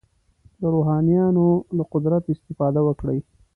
د روحانیونو له قدرت استفاده وکړي.